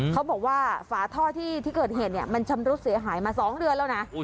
เขาบอกว่าฝาท่อที่เกิดเหตุมันชำรุดเสียหายมา๒เดือนแล้วนะ